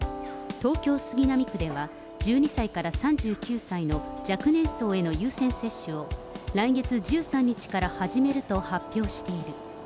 東京・杉並区では、１２歳から３９歳の若年層への優先接種を、来月１３日から始めると発表している。